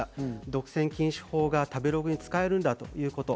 独占禁止法が食べログに使えるんだということ。